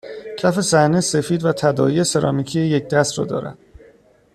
کف صحنه سفید و تداعی سرامیکی یکدست را دارد